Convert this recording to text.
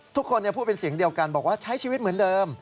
ทุกคนพูดเป็นเสียงเดียวกันบอกว่าใช้ชีวิตเหมือนเดิม